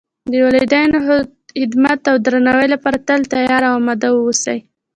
د والدینو خدمت او درناوۍ لپاره تل تیار او آماده و اوسئ